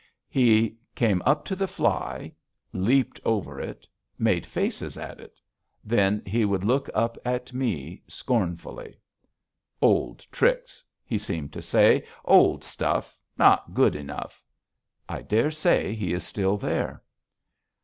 He came up to the fly, leaped over it, made faces at it. Then he would look up at me scornfully. [Illustration: Stream fishing] "Old tricks," he seemed to say. "Old stuff not good enough." I dare say he is still there.